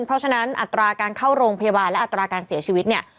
เพราะฉะนั้นอัตราการเข้าโรงพยาบาลและอัตราการเสียชีวิตเนี่ย